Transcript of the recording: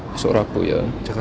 besok rabu ya